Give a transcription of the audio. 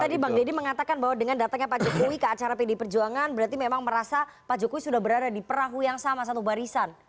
tadi bang deddy mengatakan bahwa dengan datangnya pak jokowi ke acara pdi perjuangan berarti memang merasa pak jokowi sudah berada di perahu yang sama satu barisan